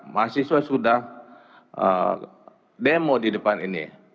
mahasiswa sudah demo di depan ini